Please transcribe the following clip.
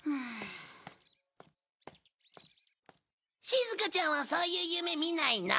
しずかちゃんはそういう夢見ないの？